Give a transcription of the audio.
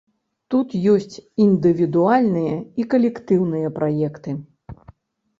Тут ёсць індывідуальныя і калектыўныя праекты.